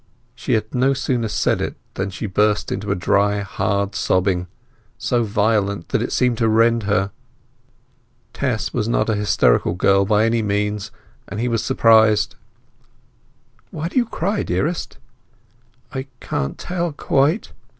She had no sooner said it than she burst into a dry hard sobbing, so violent that it seemed to rend her. Tess was not a hysterical girl by any means, and he was surprised. "Why do you cry, dearest?" "I can't tell—quite!